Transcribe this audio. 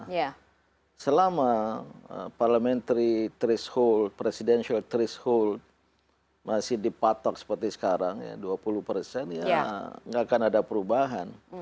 karena selama parliamentary threshold presidential threshold masih dipatok seperti sekarang ya dua puluh persen ya tidak akan ada perubahan